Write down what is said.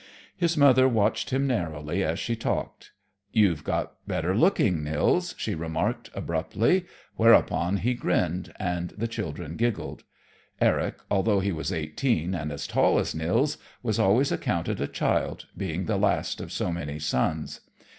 His mother watched him narrowly as she talked. "You've got better looking, Nils," she remarked abruptly, whereupon he grinned and the children giggled. Eric, although he was eighteen and as tall as Nils, was always accounted a child, being the last of so many sons.